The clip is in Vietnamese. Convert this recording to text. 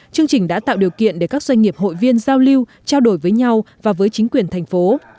chương trình đã tạo điều kiện để các doanh nghiệp hội viên giao lưu trao đổi với nhau và với chính quyền thành phố